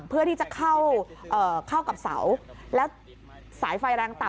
เพื่อที่จะเข้ากับเสาแล้วสายไฟแรงต่ำ